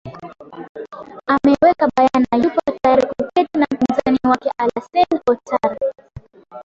ameweka bayana yupo tayari kuketi na mpinzani wake alassane ouattara